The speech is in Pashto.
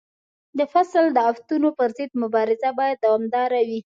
د فصل د آفتونو پر ضد مبارزه باید دوامداره وي.